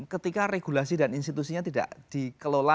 ketika regulasi dan institusinya tidak dikelola